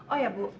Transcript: oh ya bu